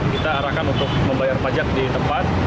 kita arahkan untuk membayar pajak di tempat